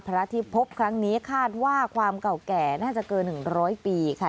พระที่พบครั้งนี้คาดว่าความเก่าแก่น่าจะเกิน๑๐๐ปีค่ะ